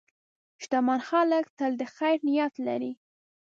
شتمن خلک تل د خیر نیت لري.